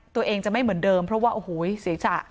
ตัวเองจะไม่เหมือนเดิมเพราะว่าโอ้โหศีรษะ